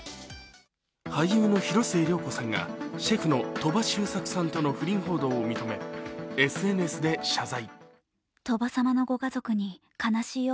俳優の広末涼子さんがシェフの鳥羽周作さんとの不倫報道を認め、ＳＮＳで謝罪。